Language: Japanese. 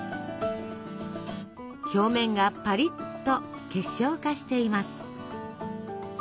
表面がパリッと結晶化しています。